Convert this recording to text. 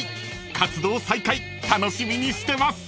［活動再開楽しみにしてます］